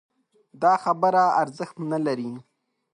دا خبره ارزښت نه لري